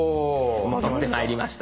戻ってまいりました。